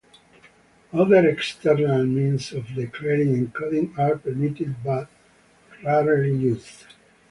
Other external means of declaring encoding are permitted but rarely used.